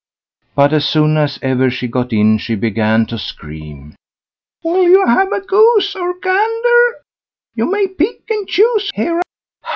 But as soon as ever she got in she began to scream, "Will you have goose or gander? you may pick and choose here."